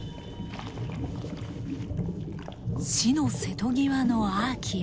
死の瀬戸際のアーキア。